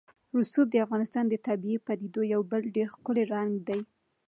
رسوب د افغانستان د طبیعي پدیدو یو بل ډېر ښکلی رنګ دی.